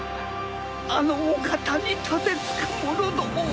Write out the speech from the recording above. あのお方に盾突く者どもを！